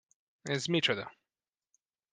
Ez micsoda?